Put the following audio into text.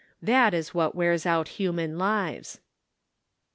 — that is what wears out human lives.